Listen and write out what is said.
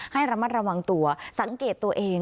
ให้ระมัดระวังตัวสังเกตตัวเอง